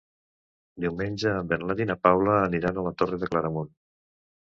Diumenge en Bernat i na Paula aniran a la Torre de Claramunt.